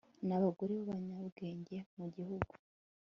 nabagore babanyabwenge mu gihugu